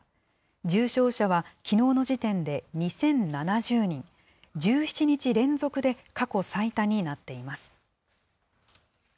重症者はきのうの時点で２０７０人、１７日連続で過去最多になっています。